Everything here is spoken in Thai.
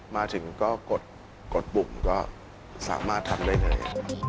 มาถึงก็กดปุ่มก็สามารถทำได้เลย